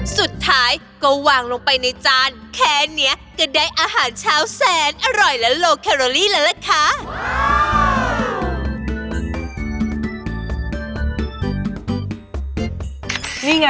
สุดท้ายก็วางลงไปในจานแค่นี้ก็ได้อาหารเช้าแสนอร่อยและโลแคโรลี่แล้วล่ะค่ะ